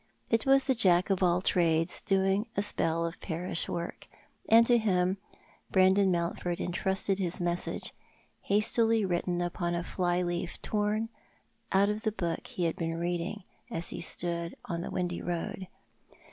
It was the Jack of all trades doing a spell of parish work— and to him Brandon Mountford entrusted his message — hastily written upon a fly leaf torn out of the book ho had been reading, as he stood on the windy road.